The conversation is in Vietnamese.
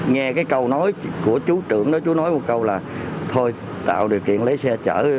nghe cái câu nói của chú trưởng đó chú nói một câu là thôi tạo điều kiện lấy xe chở